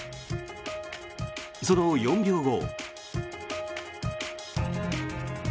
その４秒後。